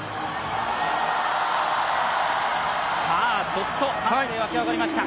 どっと会場湧き上がりました。